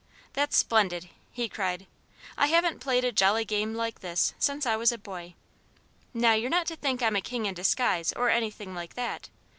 "That's splendid!" he cried. "I haven't played a jolly game like this since I was a boy. Now, you're not to think I'm a king in disguise or anything like that.